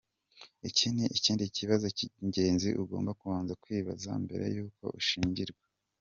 Iki ni ikindi kibazo cy’ingenzi ugomba kubanza kwibaza mbere yuko ushyingirwa.